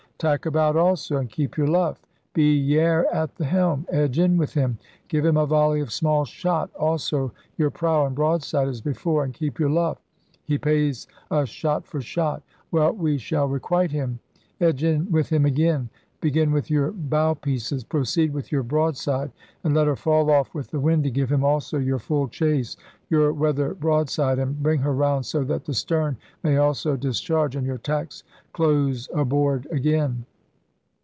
*Tack about also and keep your luff! Be yare at the helm! Edge in with him! Give him a volley of small shot, also your prow and broadside as before, and keep your luff!' *He pays us shot for shot!' 'Well, we shall requite him!' ... *Edge in with him again! Begin with your bow pieces, proceed with yoiu broad side, and let her fall off with the wind to give him also your full chase, your weather broad side, and bring her round so that the stern may also dis charge, and your tacks close aboard again!'